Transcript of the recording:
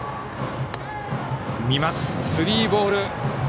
スリーボール。